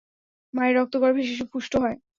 মায়ের রক্ত গর্ভে শিশু পুষ্ট হয়।